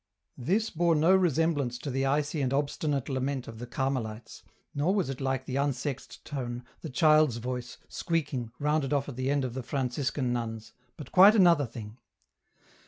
This bore no resemblance to the icy and obstinate lament of the Carmelites, nor was it like the unsexed tone, the child's voice, squeaking, rounded off at the end of the Fran ciscan nuns, but quite another thing.